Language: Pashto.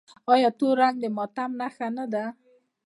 آیا تور رنګ د ماتم نښه نه ده؟